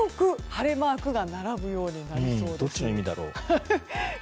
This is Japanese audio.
晴れマークが並ぶようになりそうです。